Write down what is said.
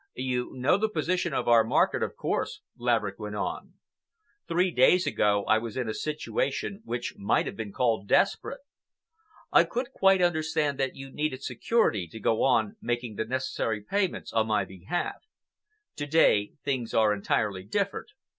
"You know the position of our market, of course," Laverick went on. "Three days ago I was in a situation which might have been called desperate. I could quite understand that you needed security to go on making the necessary payments on my behalf. To day, things are entirely different.